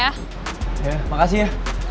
ya makasih ya